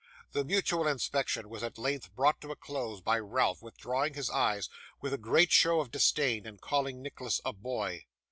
The mutual inspection was at length brought to a close by Ralph withdrawing his eyes, with a great show of disdain, and calling Nicholas 'a boy.